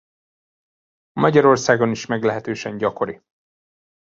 Magyarországon is meglehetősen gyakori.